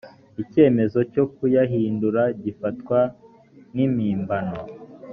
icyemezo cyo kuyahindura gifatwa nkimpimbano.